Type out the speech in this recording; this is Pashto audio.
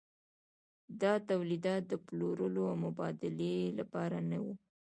دا تولیدات د پلورلو او مبادلې لپاره نه وو.